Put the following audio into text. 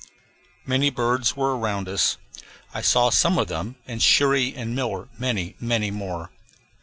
Many birds were around us; I saw some of them, and Cherrie and Miller many, many more.